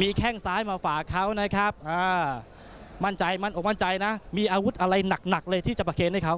มีแค่งซ้ายมาฝากเขานะครับมั่นใจนะมีอาวุธอะไรหนักเลยที่จะประเคนให้เขา